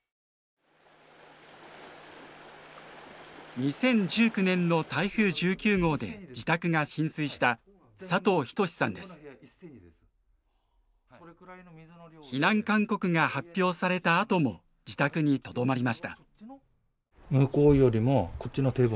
２０１９年の台風１９号で自宅が浸水した避難勧告が発表されたあとも自宅にとどまりました。